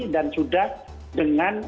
dan sudah dengan